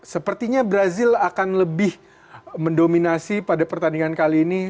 sepertinya brazil akan lebih mendominasi pada pertandingan kali ini